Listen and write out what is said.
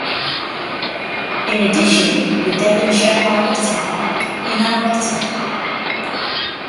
In addition the Devonshire Arleta Park in Arleta.